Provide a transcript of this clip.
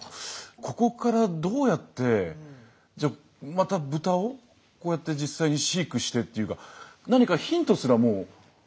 ここからどうやってじゃあまた豚をこうやって実際に飼育してっていうか何かヒントすらもう残ってない状態だと思うんですよ。